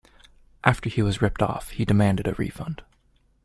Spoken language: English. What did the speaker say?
After he was ripped off, he demanded a refund.